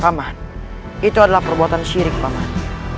pak man itu adalah perbuatan syirik pak man